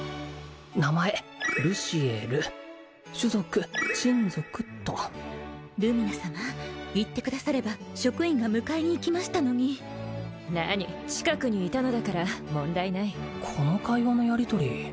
名前ルシエル種族人族っとルミナ様言ってくだされば職員が迎えに行きましたのに何近くにいたのだから問題ないこの会話のやり取り